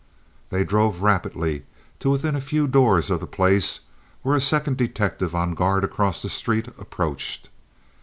They drove rapidly to within a few doors of the place, where a second detective on guard across the street approached.